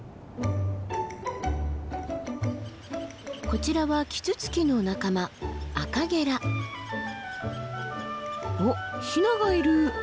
こちらはキツツキの仲間おっヒナがいる！